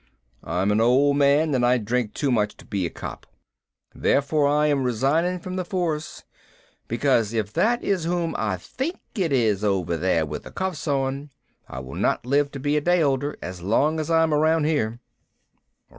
"I am an old man and I drink too much to be a cop. Therefore I am resigning from the force. Because if that is whom I think it is over there with the cuffs on, I will not live to be a day older as long as I am around here."